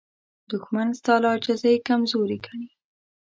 دښمن ستا له عاجزۍ کمزوري ګڼي